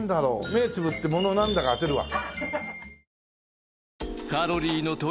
目つぶってものなんだか当てるわ。